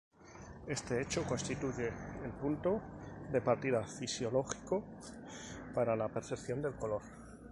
Este hecho constituye el punto de partida fisiológico para la percepción del color.